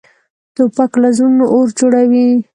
توپک له زړونو اور جوړوي.